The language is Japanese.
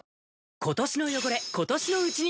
今年の汚れ、今年のうちに。